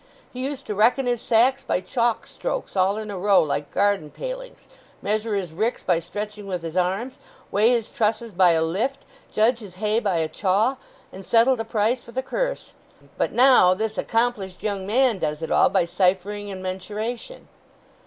He used to reckon his sacks by chalk strokes all in a row like garden palings, measure his ricks by stretching with his arms, weigh his trusses by a lift, judge his hay by a chaw, and settle the price with a curse. But now this accomplished young man does it all by ciphering and mensuration.